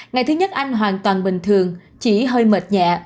ngày thứ nhất anh hoàn toàn bình thường chỉ hơi mệt nhẹ